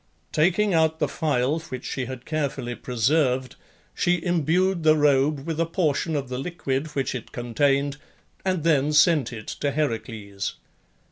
Taking out the phial which she had carefully preserved, she imbued the robe with a portion of the liquid which it contained, and then sent it to Heracles.